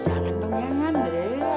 ya jangan dong ya jangan deh